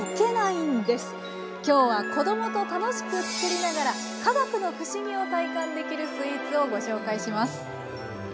今日は子どもと楽しく作りながら科学の不思議を体感できるスイーツをご紹介します。